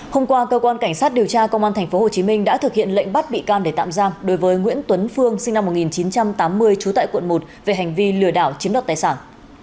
hôm qua cơ quan cảnh sát điều tra công an tp hcm đã thực hiện lệnh bắt bị can để tạm giam đối với nguyễn tuấn phương sinh năm một nghìn chín trăm tám mươi trú tại quận một về hành vi lừa đảo chiếm đoạt tài sản